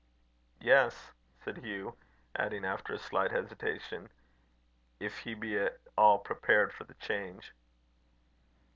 "Yes," said Hugh; adding, after a slight hesitation, "if he be at all prepared for the change."